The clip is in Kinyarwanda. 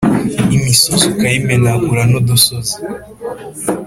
imisozi ukayimenagura n udusozi